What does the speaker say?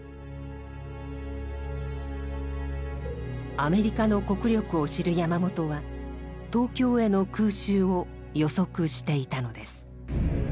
アメリカの国力を知る山本は東京への空襲を予測していたのです。